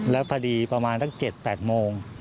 แล้วพอดีประมาณตั้ง๗๘โมง